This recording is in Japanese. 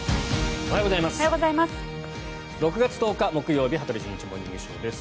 おはようございます。